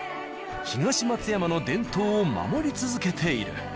東松山の伝統を守り続けている。